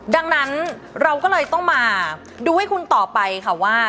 ดังนั้นเราก็เลยต้องมาดูให้คุณต่อไปค่ะว่า